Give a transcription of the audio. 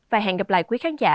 và hẹn gặp lại quý khán giả